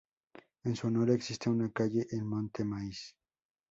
En su honor existe una calle en Monte Maíz.